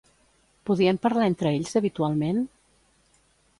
Podien parlar entre ells habitualment?